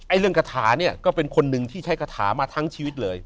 เรื่องกระถาเนี่ยก็เป็นคนหนึ่งที่ใช้คาถามาทั้งชีวิตเลย